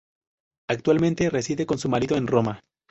Actualmente reside con su marido en Roma.